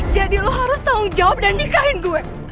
jadi lo harus tahu ngejawab dan nikahin gue